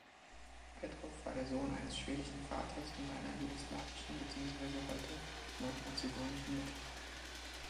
Petrov war der Sohn eines schwedischen Vaters und einer jugoslawischen beziehungsweise heute nordmazedonischen Mutter.